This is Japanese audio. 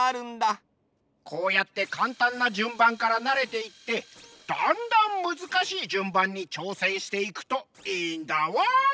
こうやってかんたんなじゅんばんからなれていってだんだんむずかしいじゅんばんにちょうせんしていくといいんだワン！